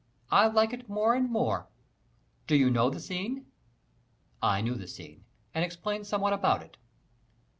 I like it more and more. Do you know the scene?" I knew the scene and explained somewhat about it.